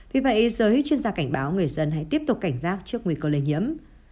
vì vậy giới chuyên gia cảnh báo người dân hãy tiếp tục cảnh giác trước nguy cơ lây nhiễm